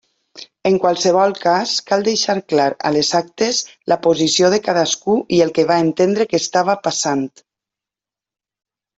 En qualsevol cas cal deixar clar a les actes la posició de cadascú i el que va entendre que estava passant.